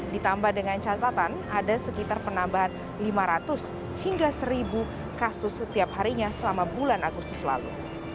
ditambah dengan catatan ada sekitar penambahan lima ratus hingga seribu kasus setiap harinya selama bulan agustus lalu